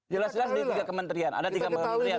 jelas jelas di tiga kementerian ada tiga kementerian